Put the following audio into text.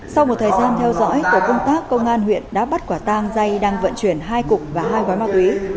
sau một thời gian theo dõi tổ công tác công an huyện đã bắt quả tang dây đang vận chuyển hai cục và hai gói ma túy